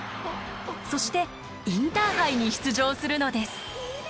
そしてインターハイに出場するのです。